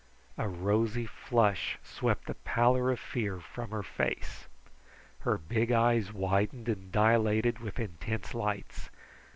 A rosy flush swept the pallor of fear from her face. Her big eyes widened and dilated with intense lights.